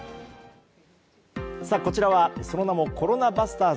こちらはその名もコロナバスターズ。